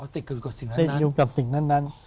อ๋อติดอยู่กับสิ่งนั้น